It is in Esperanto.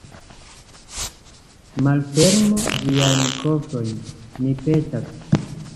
Malfermu viajn kofrojn, mi petas.